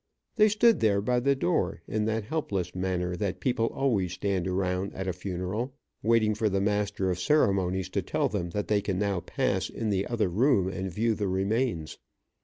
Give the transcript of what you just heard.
They stood there by the door, in that helpless manner that people always stand around at a funeral, waiting for the master of ceremonies to tell them that they can now pass in the other room and view the remains.